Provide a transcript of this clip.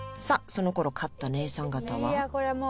その頃勝った姉さん方はいやこれは